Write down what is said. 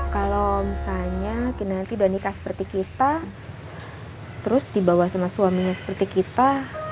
kalau misalnya nanti udah nikah seperti kita terus dibawa sama suaminya seperti kita